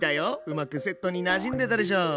うまくセットになじんでたでしょう？